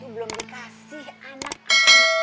belom dikasih anak anaknya